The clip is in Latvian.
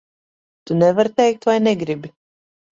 Tu nevari teikt vai negribi?